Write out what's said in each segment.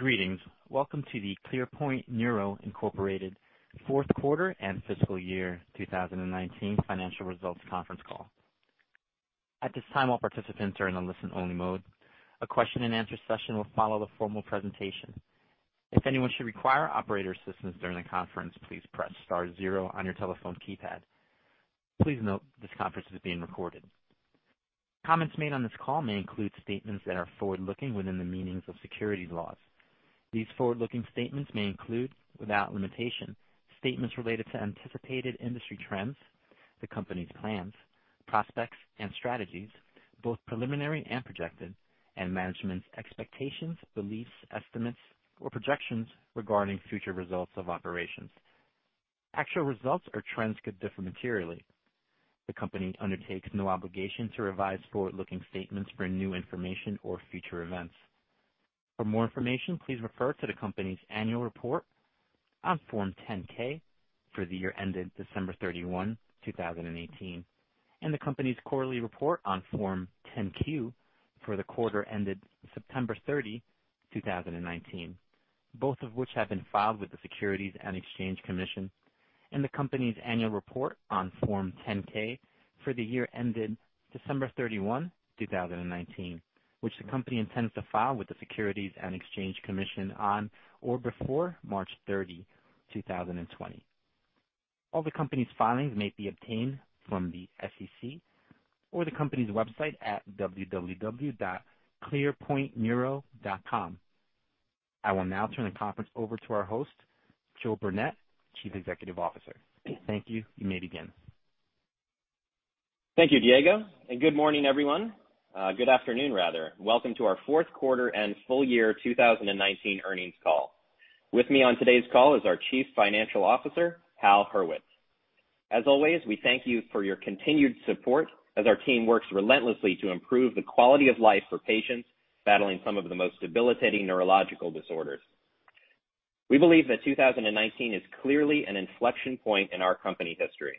Greetings. Welcome to the ClearPoint Neuro Incorporated fourth quarter and fiscal year 2019 financial results conference call. At this time, all participants are in a listen-only mode. A question and answer session will follow the formal presentation. If anyone should require operator assistance during the conference, please press star zero on your telephone keypad. Please note this conference is being recorded. Comments made on this call may include statements that are forward-looking within the meanings of security laws. These forward-looking statements may include, without limitation, statements related to anticipated industry trends, the company's plans, prospects and strategies, both preliminary and projected, and management's expectations, beliefs, estimates, or projections regarding future results of operations. Actual results or trends could differ materially. The company undertakes no obligation to revise forward-looking statements for new information or future events. For more information, please refer to the company's annual report on Form 10-K for the year ended December 31, 2018, and the company's quarterly report on Form 10-Q for the quarter ended September 30, 2019, both of which have been filed with the Securities and Exchange Commission, and the company's annual report on Form 10-K for the year ended December 31, 2019, which the company intends to file with the Securities and Exchange Commission on or before March 30, 2020. All the company's filings may be obtained from the SEC or the company's website at www.clearpointneuro.com. I will now turn the conference over to our host, Joe Burnett, Chief Executive Officer. Thank you. You may begin. Thank you, Diego, and good morning, everyone. Good afternoon, rather. Welcome to our fourth quarter and full year 2019 earnings call. With me on today's call is our Chief Financial Officer, Hal Hurwitz. As always, we thank you for your continued support as our team works relentlessly to improve the quality of life for patients battling some of the most debilitating neurological disorders. We believe that 2019 is clearly an inflection point in our company history.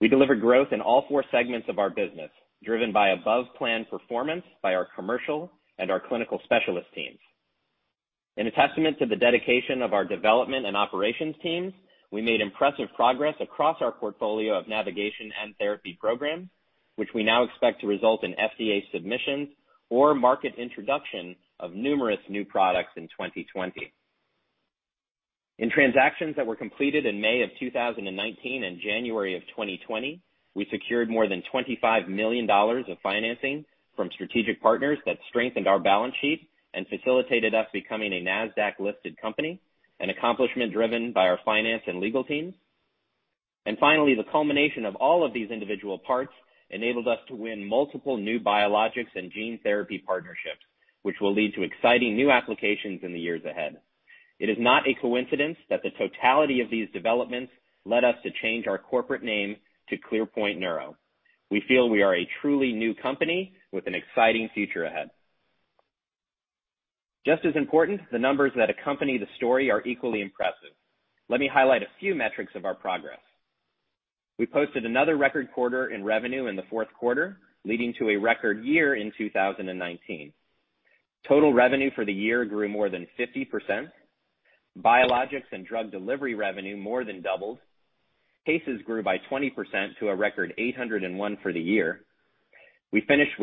We delivered growth in all four segments of our business, driven by above-plan performance by our commercial and our clinical specialist teams. In a testament to the dedication of our development and operations teams, we made impressive progress across our portfolio of navigation and therapy programs, which we now expect to result in FDA submissions or market introduction of numerous new products in 2020. In transactions that were completed in May of 2019 and January of 2020, we secured more than $25 million of financing from strategic partners that strengthened our balance sheet and facilitated us becoming a Nasdaq-listed company, an accomplishment driven by our finance and legal teams. Finally, the culmination of all of these individual parts enabled us to win multiple new biologics and gene therapy partnerships, which will lead to exciting new applications in the years ahead. It is not a coincidence that the totality of these developments led us to change our corporate name to ClearPoint Neuro. We feel we are a truly new company with an exciting future ahead. Just as important, the numbers that accompany the story are equally impressive. Let me highlight a few metrics of our progress. We posted another record quarter in revenue in the fourth quarter, leading to a record year in 2019. Total revenue for the year grew more than 50%. Biologics and drug delivery revenue more than doubled. Cases grew by 20% to a record 801 for the year. We finished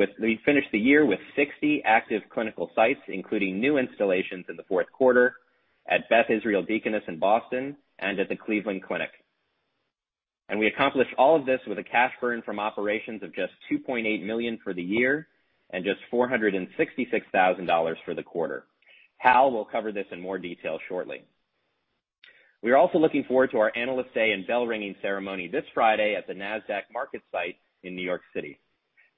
the year with 60 active clinical sites, including new installations in the fourth quarter at Beth Israel Deaconess in Boston and at the Cleveland Clinic. We accomplished all of this with a cash burn from operations of just $2.8 million for the year and just $466,000 for the quarter. Hal will cover this in more detail shortly. We are also looking forward to our Analyst Day and bell-ringing ceremony this Friday at the Nasdaq market site in New York City.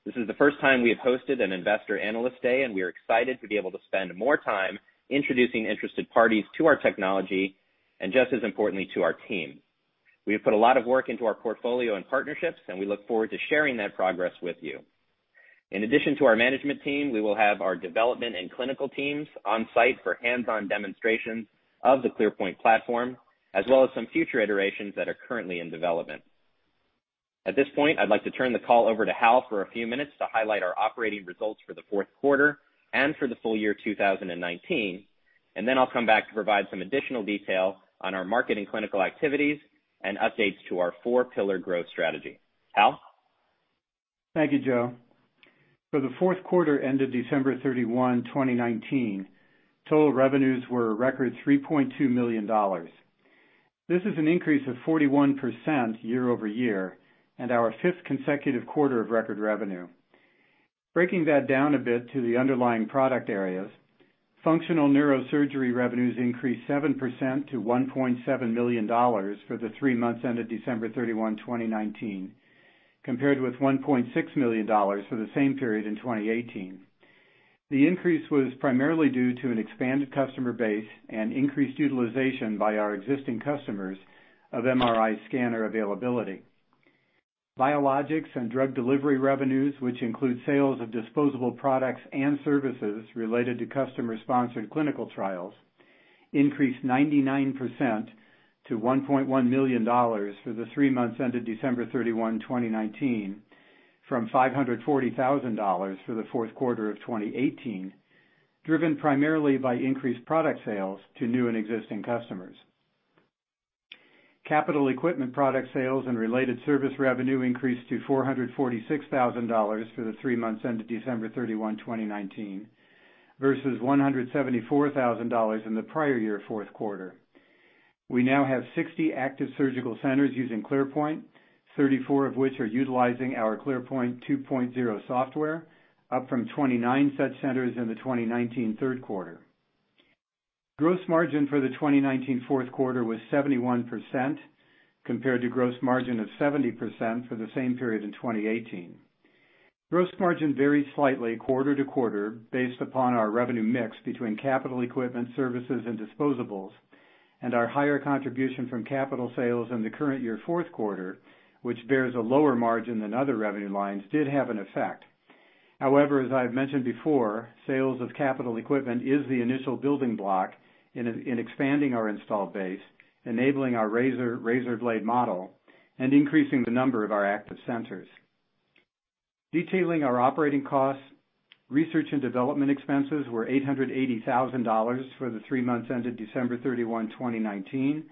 This is the first time we have hosted an Investor Analyst Day, and we are excited to be able to spend more time introducing interested parties to our technology and, just as importantly, to our team. We have put a lot of work into our portfolio and partnerships, and we look forward to sharing that progress with you. In addition to our management team, we will have our development and clinical teams on-site for hands-on demonstrations of the ClearPoint platform, as well as some future iterations that are currently in development. At this point, I'd like to turn the call over to Hal for a few minutes to highlight our operating results for the fourth quarter and for the full year 2019, and then I'll come back to provide some additional detail on our marketing clinical activities and updates to our four pillar growth strategy. Hal? Thank you, Joe. For the fourth quarter ended December 31, 2019, total revenues were a record $3.2 million. This is an increase of 41% year-over-year and our fifth consecutive quarter of record revenue. Breaking that down a bit to the underlying product areas, functional neurosurgery revenues increased 7% to $1.7 million for the three months ended December 31, 2019, compared with $1.6 million for the same period in 2018. The increase was primarily due to an expanded customer base and increased utilization by our existing customers of MRI scanner availability. Biologics and drug delivery revenues, which include sales of disposable products and services related to customer-sponsored clinical trials increased 99% to $1.1 million for the three months ended December 31, 2019, from $540,000 for the fourth quarter of 2018, driven primarily by increased product sales to new and existing customers. Capital equipment product sales and related service revenue increased to $446,000 for the three months ended December 31, 2019, versus $174,000 in the prior year fourth quarter. We now have 60 active surgical centers using ClearPoint, 34 of which are utilizing our ClearPoint 2.0 software, up from 29 such centers in the 2019 third quarter. Gross margin for the 2019 fourth quarter was 71%, compared to gross margin of 70% for the same period in 2018. Gross margin varied slightly quarter to quarter based upon our revenue mix between capital equipment, services, and disposables, and our higher contribution from capital sales in the current year fourth quarter, which bears a lower margin than other revenue lines, did have an effect. However, as I've mentioned before, sales of capital equipment is the initial building block in expanding our installed base, enabling our razor blade model, and increasing the number of our active centers. Detailing our operating costs, research and development expenses were $880,000 for the three months ended December 31, 2019,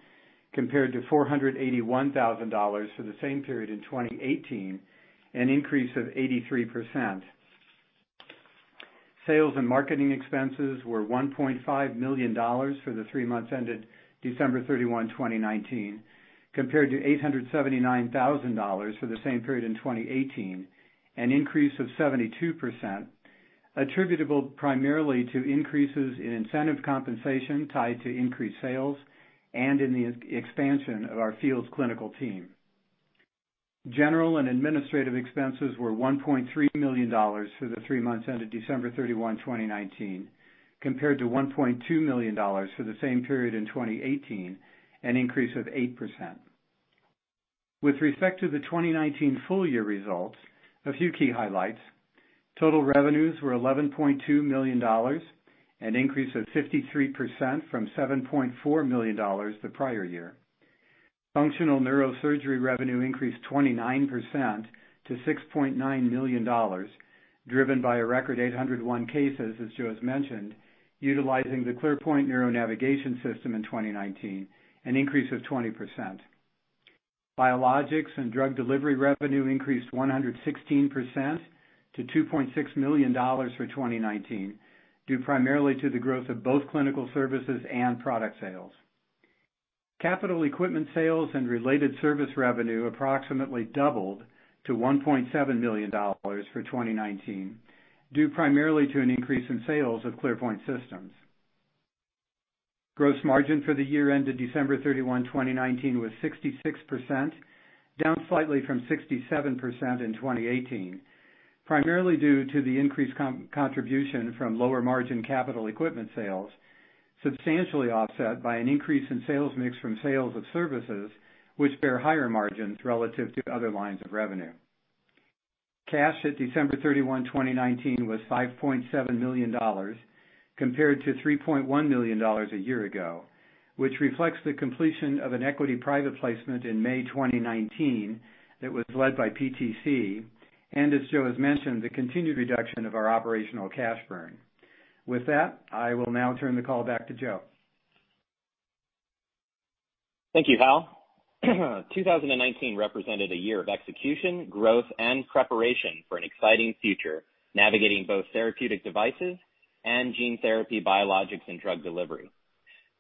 compared to $481,000 for the same period in 2018, an increase of 83%. Sales and marketing expenses were $1.5 million for the three months ended December 31, 2019, compared to $879,000 for the same period in 2018, an increase of 72%, attributable primarily to increases in incentive compensation tied to increased sales and in the expansion of our field's clinical team. General and administrative expenses were $1.3 million for the three months ended December 31, 2019, compared to $1.2 million for the same period in 2018, an increase of 8%. With respect to the 2019 full year results, a few key highlights. Total revenues were $11.2 million, an increase of 53% from $7.4 million the prior year. Functional neurosurgery revenue increased 29% to $6.9 million, driven by a record 801 cases, as Joe has mentioned, utilizing the ClearPoint neuro navigation system in 2019, an increase of 20%. Biologics and drug delivery revenue increased 116% to $2.6 million for 2019, due primarily to the growth of both clinical services and product sales. Capital equipment sales and related service revenue approximately doubled to $1.7 million for 2019, due primarily to an increase in sales of ClearPoint systems. Gross margin for the year ended December 31, 2019, was 66%, down slightly from 67% in 2018, primarily due to the increased contribution from lower margin capital equipment sales, substantially offset by an increase in sales mix from sales of services which bear higher margins relative to other lines of revenue. Cash at December 31, 2019, was $5.7 million, compared to $3.1 million a year ago, which reflects the completion of an equity private placement in May 2019 that was led by PTC, and as Joe has mentioned, the continued reduction of our operational cash burn. With that, I will now turn the call back to Joe. Thank you, Hal. 2019 represented a year of execution, growth, and preparation for an exciting future, navigating both therapeutic devices and gene therapy, biologics, and drug delivery.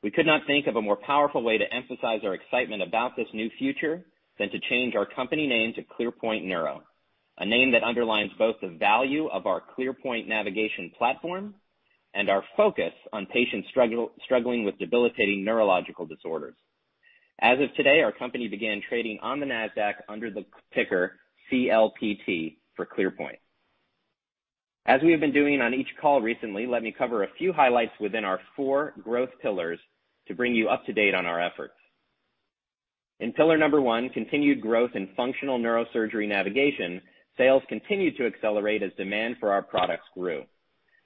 We could not think of a more powerful way to emphasize our excitement about this new future than to change our company name to ClearPoint Neuro, a name that underlines both the value of our ClearPoint navigation platform and our focus on patients struggling with debilitating neurological disorders. As of today, our company began trading on the Nasdaq under the ticker CLPT for ClearPoint. As we have been doing on each call recently, let me cover a few highlights within our four growth pillars to bring you up to date on our efforts. In pillar number one, continued growth in functional neurosurgery navigation, sales continued to accelerate as demand for our products grew.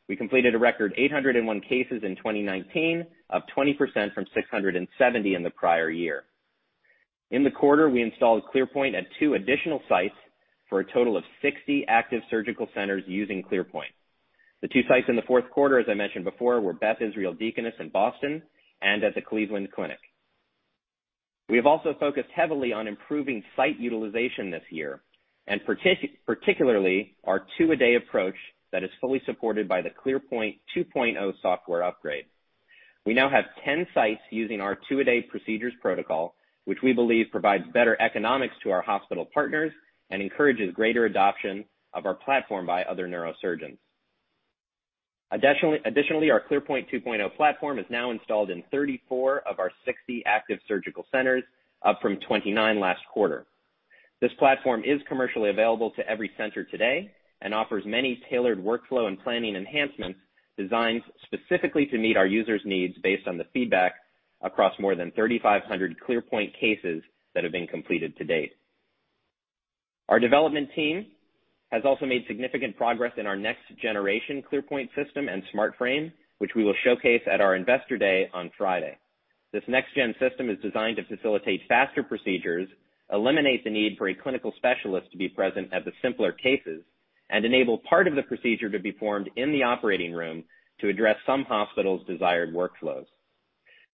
We completed a record 801 cases in 2019, up 20% from 670 in the prior year. In the quarter, we installed ClearPoint at two additional sites for a total of 60 active surgical centers using ClearPoint. The two sites in the fourth quarter, as I mentioned before, were Beth Israel Deaconess in Boston and at the Cleveland Clinic. We have also focused heavily on improving site utilization this year, and particularly our two-a-day approach that is fully supported by the ClearPoint 2.0 software upgrade. We now have 10 sites using our two-a-day procedures protocol, which we believe provides better economics to our hospital partners and encourages greater adoption of our platform by other neurosurgeons. Additionally, our ClearPoint 2.0 platform is now installed in 34 of our 60 active surgical centers, up from 29 last quarter. This platform is commercially available to every center today and offers many tailored workflow and planning enhancements designed specifically to meet our users' needs based on the feedback across more than 3,500 ClearPoint cases that have been completed to date. Our development team has also made significant progress in our next generation ClearPoint system and SmartFrame, which we will showcase at our investor day on Friday. This next gen system is designed to facilitate faster procedures, eliminate the need for a clinical specialist to be present at the simpler cases, and enable part of the procedure to be performed in the operating room to address some hospitals' desired workflows.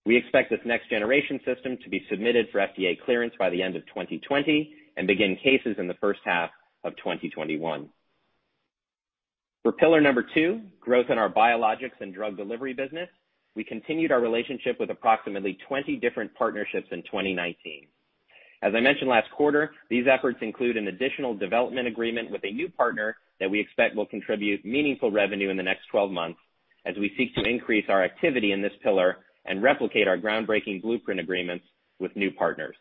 We expect this next generation system to be submitted for FDA clearance by the end of 2020 and begin cases in the first half of 2021. For pillar number two, growth in our biologics and drug delivery business, we continued our relationship with approximately 20 different partnerships in 2019. As I mentioned last quarter, these efforts include an additional development agreement with a new partner that we expect will contribute meaningful revenue in the next 12 months as we seek to increase our activity in this pillar and replicate our groundbreaking blueprint agreements with new partners.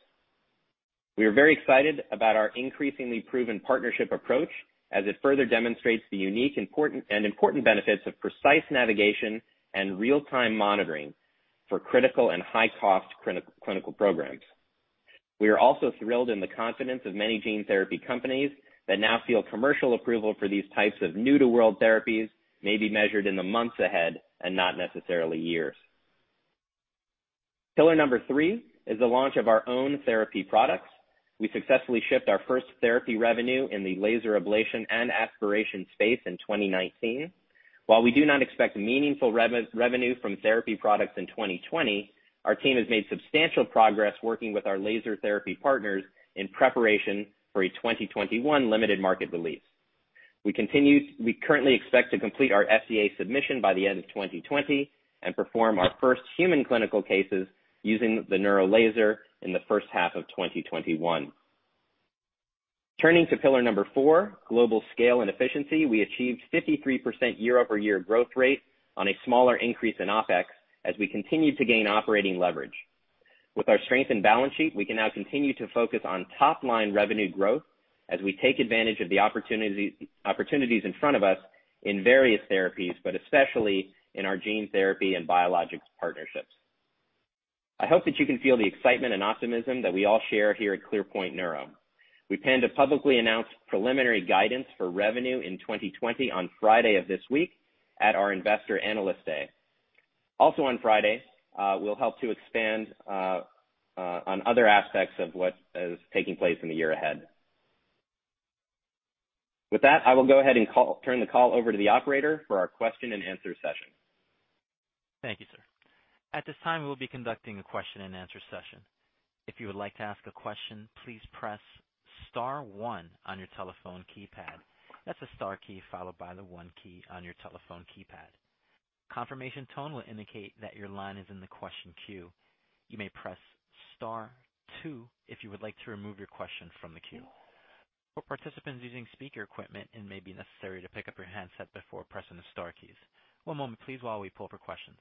We are very excited about our increasingly proven partnership approach as it further demonstrates the unique and important benefits of precise navigation and real-time monitoring for critical and high-cost clinical programs. We are also thrilled in the confidence of many gene therapy companies that now feel commercial approval for these types of new-to-world therapies may be measured in the months ahead and not necessarily years. Pillar number three is the launch of our own therapy products. We successfully shipped our first therapy revenue in the laser ablation and aspiration space in 2019. While we do not expect meaningful revenue from therapy products in 2020, our team has made substantial progress working with our laser therapy partners in preparation for a 2021 limited market release. We currently expect to complete our FDA submission by the end of 2020 and perform our first human clinical cases using the NeuroLaser in the first half of 2021. Turning to pillar number four, global scale and efficiency. We achieved 53% year-over-year growth rate on a smaller increase in OpEx as we continued to gain operating leverage. With our strength and balance sheet, we can now continue to focus on top-line revenue growth as we take advantage of the opportunities in front of us in various therapies, but especially in our gene therapy and biologics partnerships. I hope that you can feel the excitement and optimism that we all share here at ClearPoint Neuro. We plan to publicly announce preliminary guidance for revenue in 2020 on Friday of this week at our investor Analyst Day. Also on Friday, we'll help to expand on other aspects of what is taking place in the year ahead. With that, I will go ahead and turn the call over to the operator for our question and answer session. Thank you, sir. At this time, we'll be conducting a question and answer session. If you would like to ask a question, please press star one on your telephone keypad. That's the star key, followed by the one key on your telephone keypad. Confirmation tone will indicate that your line is in the question queue. You may press star two if you would like to remove your question from the queue. For participants using speaker equipment, it may be necessary to pick up your handset before pressing the star keys. One moment, please, while we pull for questions.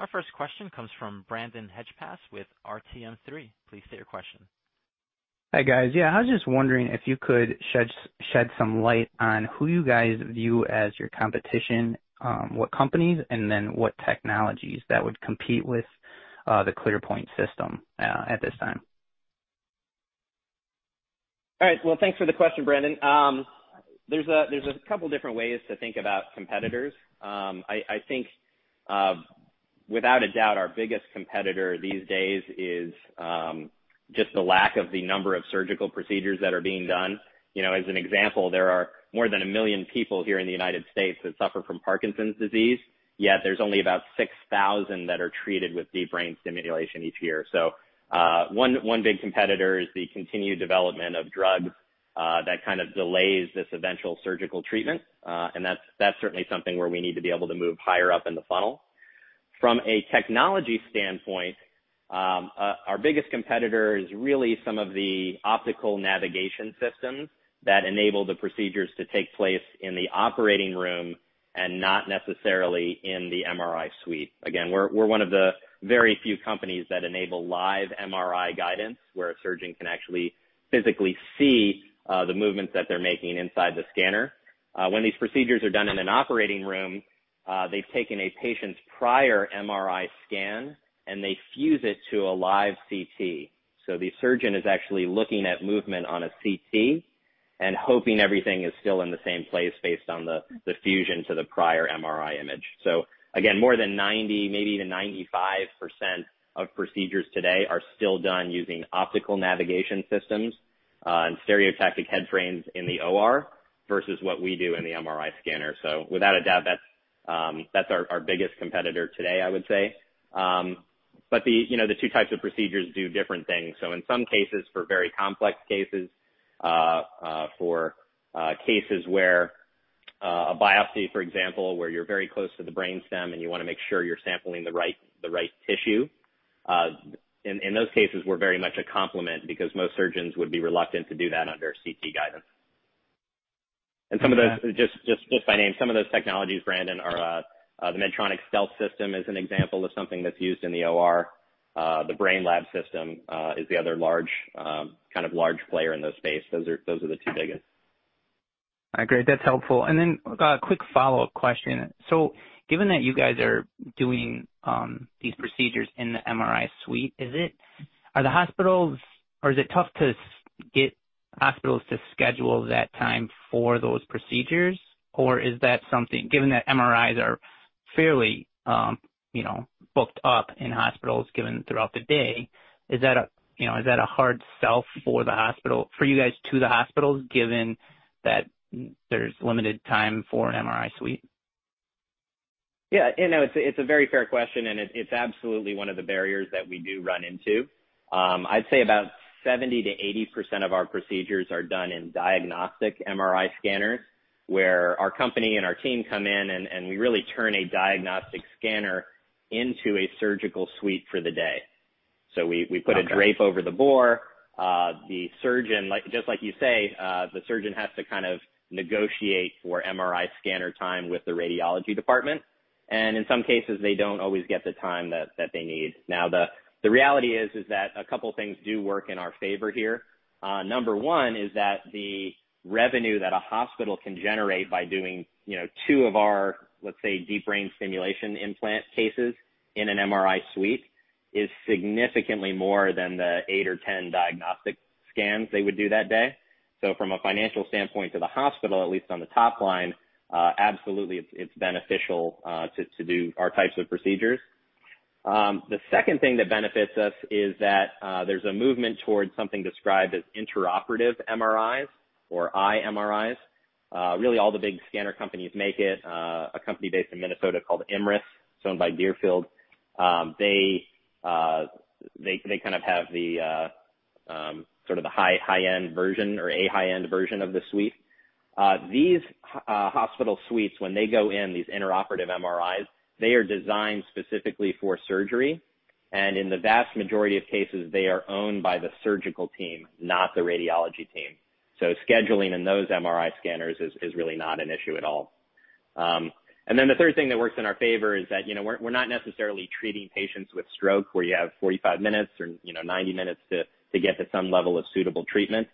Our first question comes from Brandon Hedgepath with RTM3. Please state your question. Hi, guys. Yeah, I was just wondering if you could shed some light on who you guys view as your competition, what companies, and then what technologies that would compete with the ClearPoint system at this time. All right. Well, thanks for the question, Brandon. There's a couple different ways to think about competitors. I think, without a doubt, our biggest competitor these days is just the lack of the number of surgical procedures that are being done. As an example, there are more than 1 million people here in the U.S. that suffer from Parkinson's disease, yet there's only about 6,000 that are treated with deep brain stimulation each year. One big competitor is the continued development of drugs that kind of delays this eventual surgical treatment, and that's certainly something where we need to be able to move higher up in the funnel. From a technology standpoint, our biggest competitor is really some of the optical navigation systems that enable the procedures to take place in the operating room and not necessarily in the MRI suite. Again, we're one of the very few companies that enable live MRI guidance, where a surgeon can actually physically see the movements that they're making inside the scanner. When these procedures are done in an operating room, they've taken a patient's prior MRI scan, and they fuse it to a live CT. The surgeon is actually looking at movement on a CT and hoping everything is still in the same place based on the fusion to the prior MRI image. Again, more than 90%, maybe even 95% of procedures today are still done using optical navigation systems and stereotactic head frames in the OR versus what we do in the MRI scanner. Without a doubt, that's our biggest competitor today, I would say. The two types of procedures do different things. In some cases, for very complex cases, for cases where a biopsy, for example, where you're very close to the brain stem and you want to make sure you're sampling the right tissue. In those cases, we're very much a complement because most surgeons would be reluctant to do that under CT guidance. Just by name, some of those technologies, Brandon, are the Medtronic StealthStation system is an example of something that's used in the OR. The Brainlab system is the other kind of large player in this space. Those are the two biggest. Great. That's helpful. A quick follow-up question. Given that you guys are doing these procedures in the MRI suite, is it tough to get hospitals to schedule that time for those procedures? Is that something, given that MRIs are fairly booked up in hospitals throughout the day, is that a hard sell for you guys to the hospitals, given that there's limited time for an MRI suite? Yeah. It's a very fair question, and it's absolutely one of the barriers that we do run into. I'd say about 70%-80% of our procedures are done in diagnostic MRI scanners, where our company and our team come in, and we really turn a diagnostic scanner into a surgical suite for the day. Okay. We put a drape over the bore. Just like you say, the surgeon has to kind of negotiate for MRI scanner time with the radiology department, and in some cases, they don't always get the time that they need. The reality is that a couple of things do work in our favor here. Number one is that the revenue that a hospital can generate by doing two of our, let's say, deep brain stimulation implant cases in an MRI suite is significantly more than the eight or 10 diagnostic scans they would do that day. From a financial standpoint to the hospital, at least on the top line, absolutely, it's beneficial to do our types of procedures. The second thing that benefits us is that there's a movement towards something described as intraoperative MRIs or iMRIs. Really all the big scanner companies make it. A company based in Minnesota called IMRIS, it's owned by Deerfield. They kind of have the sort of high-end version or a high-end version of the suite. These hospital suites, when they go in, these intraoperative MRIs, they are designed specifically for surgery, and in the vast majority of cases, they are owned by the surgical team, not the radiology team. Scheduling in those MRI scanners is really not an issue at all. The third thing that works in our favor is that we're not necessarily treating patients with stroke where you have 45 minutes or 90 minutes to get to some level of suitable treatment.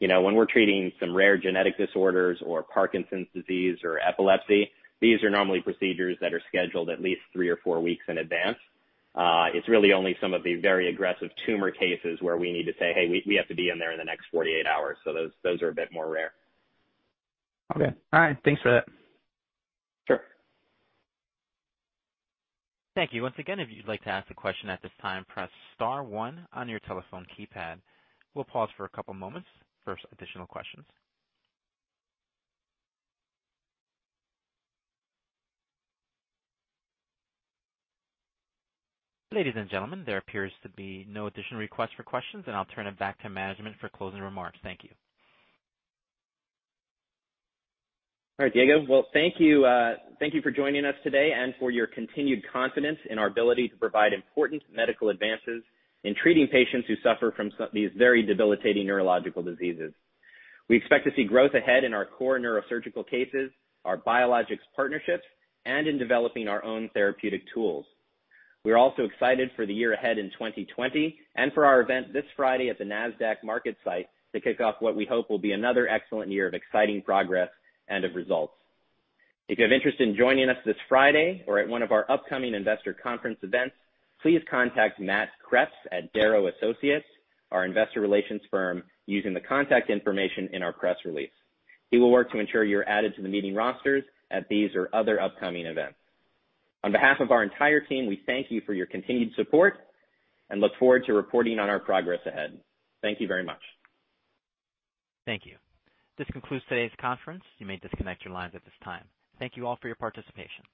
When we're treating some rare genetic disorders or Parkinson's disease or epilepsy, these are normally procedures that are scheduled at least three or four weeks in advance. It's really only some of the very aggressive tumor cases where we need to say, "Hey, we have to be in there in the next 48 hours." Those are a bit more rare. Okay. All right. Thanks for that. Sure. Thank you. Once again, if you'd like to ask a question at this time, press star one on your telephone keypad. We'll pause for a couple of moments for additional questions. Ladies and gentlemen, there appears to be no additional requests for questions, and I'll turn it back to management for closing remarks. Thank you. All right, Diego. Well, thank you for joining us today and for your continued confidence in our ability to provide important medical advances in treating patients who suffer from these very debilitating neurological diseases. We expect to see growth ahead in our core neurosurgical cases, our biologics partnerships, and in developing our own therapeutic tools. We are also excited for the year ahead in 2020 and for our event this Friday at the Nasdaq market site to kick off what we hope will be another excellent year of exciting progress and of results. If you have interest in joining us this Friday or at one of our upcoming investor conference events, please contact Matt Kreps at Darrow Associates, our investor relations firm, using the contact information in our press release. He will work to ensure you are added to the meeting rosters at these or other upcoming events. On behalf of our entire team, we thank you for your continued support and look forward to reporting on our progress ahead. Thank you very much. Thank you. This concludes today's conference. You may disconnect your lines at this time. Thank you all for your participation.